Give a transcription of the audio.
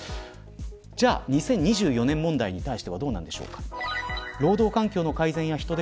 では、２０２４年問題に対してはどうなんでしょうか。